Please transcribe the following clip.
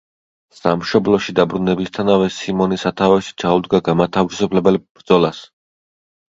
სამშობლოში დაბრუნებისთანავე სიმონი სათავეში ჩაუდგა გამათავისუფლებელ ბრძოლას.